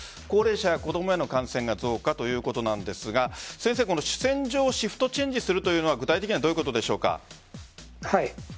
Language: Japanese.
高齢者や子供への感染が増加ということなんですが主戦場をシフトチェンジするというのは具体的にはどういうことでしょうか？